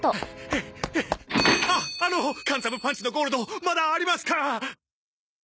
ああのカンタムパンチのゴールドまだありますか？